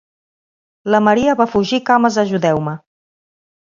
La Maria va fugir cames ajudeu-me.